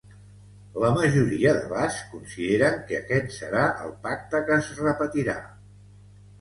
La majoria de bascs consideren que aquest serà el pacte que es repetirà.